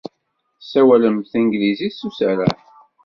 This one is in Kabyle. Tessawalemt tanglizit s userreḥ.